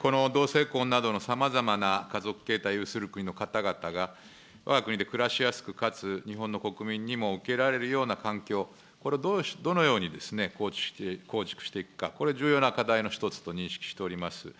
この同性婚などのさまざまな家族形態を要する国の方々が、わが国で暮らしやすくかつ日本の国民にも受け入れられるような環境、これをどのように構築していくか、これ、重要な課題の１つと認識しております。